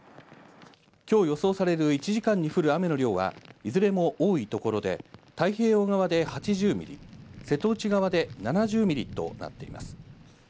きょう予想される１時間に降る雨の量は、いずれも多いところで、太平洋側で８０ミリ、瀬戸内側で７０ミリとなっています。